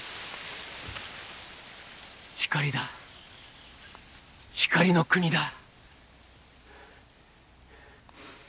光だ光の国だ。